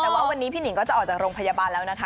แต่ว่าวันนี้พี่หนิงก็จะออกจากโรงพยาบาลแล้วนะคะ